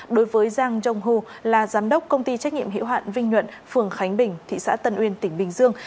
đối với giang jong u là giám đốc công ty trách nhiệm hiệu hạn vinh nhuận phường khánh bình thị xã tân uyên tỉnh bình dương